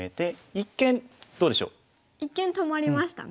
一見止まりましたね。